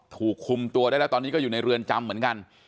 ถูกคุมตัวได้แล้วตอนนี้ก็อยู่ในเรือนจำเหมือนกัน